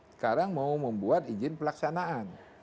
sekarang mau membuat izin pelaksanaan